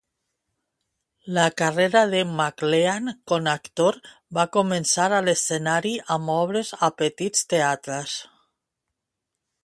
La carrera de McLean con actor va començar a l"escenari amb obres a petits teatres.